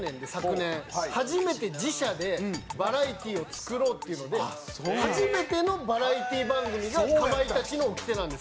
初めて自社でバラエティーを作ろうっていうので初めてのバラエティー番組が『かまいたちの掟』なんです。